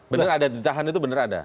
benar ada ditahan itu